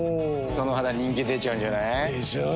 その肌人気出ちゃうんじゃない？でしょう。